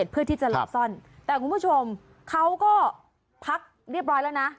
เพื่อที่จะหลบซ่อนแต่คุณผู้ชมเขาก็พักเรียบร้อยแล้วนะ